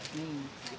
biar saya lewat dulu